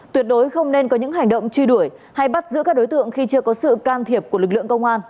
tuyệt đối không nên có những hành động truy đuổi hay bắt giữ các đối tượng khi chưa có sự can thiệp của lực lượng công an